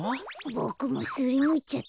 ボクもすりむいちゃった。